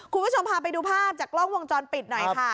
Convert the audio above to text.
คุณผู้ชมพาไปดูภาพจากกล้องวงจรปิดหน่อยค่ะ